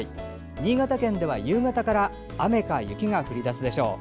新潟県では夕方から雨か雪が降り出すでしょう。